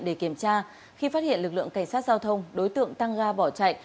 để kiểm tra khi phát hiện lực lượng cảnh sát giao thông đối tượng tăng ga bỏ chạy